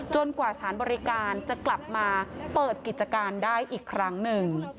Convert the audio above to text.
กว่าสารบริการจะกลับมาเปิดกิจการได้อีกครั้งหนึ่ง